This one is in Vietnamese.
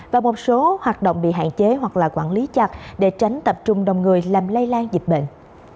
và một số hoạt động bị hạn chế hoặc là quản lý chặt để tránh tập trung đông người làm lây lan dịch bệnh